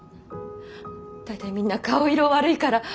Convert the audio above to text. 大体みんな顔色悪いから。